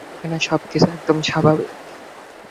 এখানে সবকিছু একদম স্বাভাবিক।